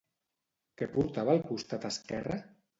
Què portava al costat esquerre?